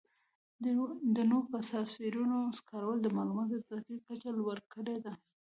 د نوو سافټویرونو کارول د معلوماتو د تحلیل کچه لوړه کړې ده.